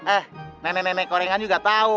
eh nenek nenek korengan juga tau